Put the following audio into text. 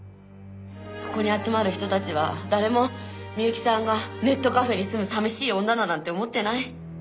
ここに集まる人たちは誰も美由紀さんがネットカフェに住む寂しい女だなんて思ってない。